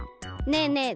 ねえねえ